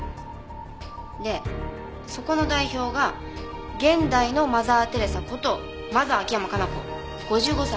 でそこの代表が現代のマザー・テレサことマザー秋山可奈子５５歳。